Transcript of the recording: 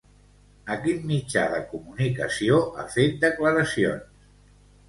A quin mitjà de comunicació ha fet declaracions?